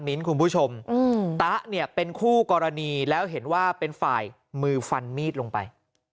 คุณผู้ชมตะเนี่ยเป็นคู่กรณีแล้วเห็นว่าเป็นฝ่ายมือฟันมีดลงไป